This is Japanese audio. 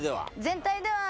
全体では？